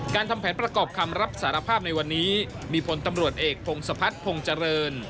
ทำแผนประกอบคำรับสารภาพในวันนี้มีพลตำรวจเอกพงศพัฒน์พงษ์เจริญ